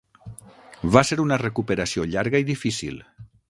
Va ser una recuperació llarga i difícil.